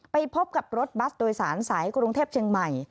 ไปพบกับรถบัสโดยสารสายกรุงเทพเชียงใหม่